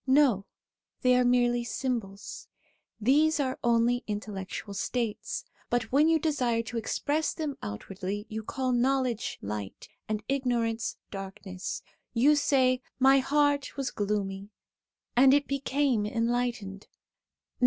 No, they are merely symbols. These are only intellectual states, but when you desire to express them outwardly, you call knowledge light, and ignorance darkness. You say :' My heart was gloomy, and it became enlightened.'